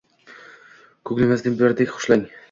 Kunglimizni birdek xushlagan